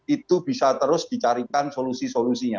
itu bisa terus dicarikan solusi solusinya